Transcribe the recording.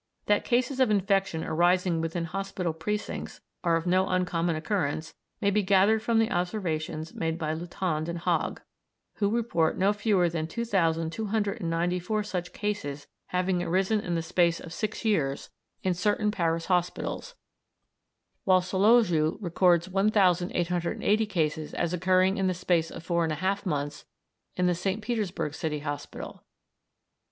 That cases of infection arising within hospital precincts are of no uncommon occurrence may be gathered from the observations made by Lutand and Hogg, who report no fewer than 2,294 such cases having arisen in the space of six years in certain Paris hospitals, whilst Solowjew records 1,880 cases as occurring in the space of four and a half months in the St. Petersburg city hospital.